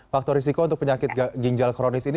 faktor risiko untuk penyakit ginjal kronis ini